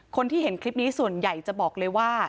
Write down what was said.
คนที่เห็นคลิปนี้ส่วนใหญ่จะบอกเลยว่า